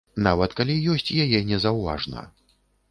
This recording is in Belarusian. Нават калі ёсць, яе не заўважна.